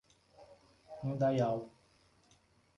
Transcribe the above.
Indaial